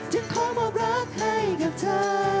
จะขอบรับรักให้กับเธอ